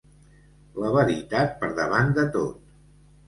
La veritat per davant de tot.